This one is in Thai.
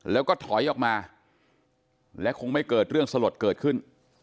แล้วก็ถอยออกมาและคงไม่เกิดเรื่องสลดเกิดขึ้น